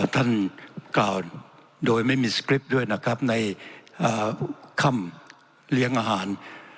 ท่านกล่าวโดยไม่มีสกริปในคำเลี้ยงอาหาร